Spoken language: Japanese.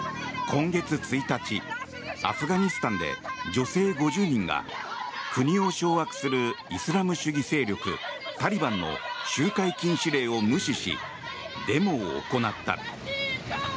今月１日、アフガニスタンで女性５０人が国を掌握するイスラム主義勢力タリバンの集会禁止令を無視しデモを行った。